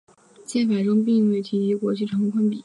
宪法中并未提及国旗长宽比。